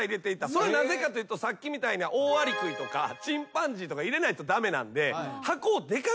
それはなぜかというとさっきみたいなオオアリクイとかチンパンジーとか入れないと駄目なんで箱をでかくしないと。